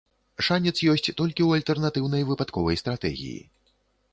Шанец ёсць толькі ў альтэрнатыўнай выпадковай стратэгіі.